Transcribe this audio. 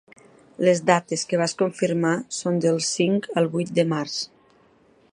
Les dates que vas confirmar són del cinc al vuit de març.